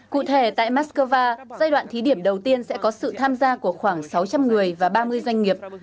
cụ thể tại moscow giai đoạn thí điểm đầu tiên sẽ có sự tham gia của khoảng sáu trăm linh người và ba mươi doanh nghiệp